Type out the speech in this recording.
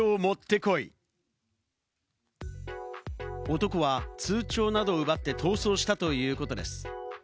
男は通帳などを奪って逃走したということです。